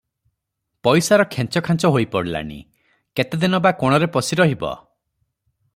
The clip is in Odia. ପଇସାର ଖେଞ୍ଚଖାଞ୍ଚ ହୋଇ ପଡିଲାଣି, କେତେଦିନ ବା କୋଣରେ ପଶି ରହିବ?